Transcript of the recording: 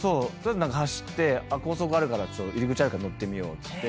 走って高速あるから入り口あるから乗ってみようっつって。